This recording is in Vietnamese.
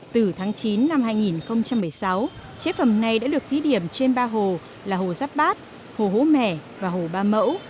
từ tháng chín năm hai nghìn một mươi sáu chế phẩm này đã được thí điểm trên ba hồ là hồ giáp bát hồ hố mẻ và hồ ba mẫu